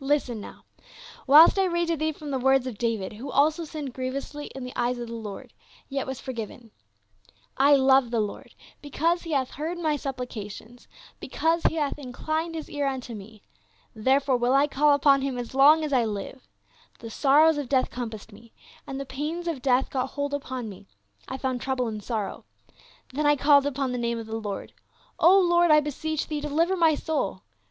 Listen now, whilst I read to thee from the words of David, who also sinned grievously in the eyes of the Lord, yet was forgiven. THE CALLING OF TIMOTHY. 305 "' I love the Lord, Because he hath heard my supplications, Because he hath inclined his ear unto me, Therefore will I call upon him as long as I live; The sorrows of death compassed me, And the pains of death gat hold upon me. I found trouble and sorrow. Then called I upon the name of the Lord. Lord, I beseech thee, deliver my soul